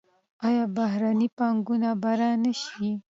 آیا بهرنۍ پانګونه به را نشي؟